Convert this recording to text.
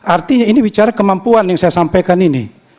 artinya ini bicara kemampuan yang saya sampaikan ini